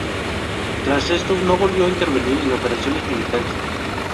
Tras esto no volvió a intervenir en operaciones militares.